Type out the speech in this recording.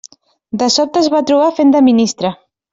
De sobte es va trobar fent de ministre.